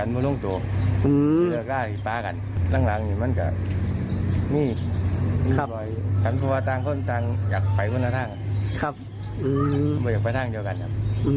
มิจารณีผมนี้มิจารณีผมบริหญิงครับ